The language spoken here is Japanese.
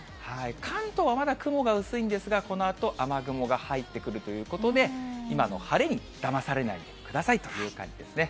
関東はまだ雲は薄いんですが、このあと雨雲が入ってくるということで、今の晴れにだまされないでくださいという感じですね。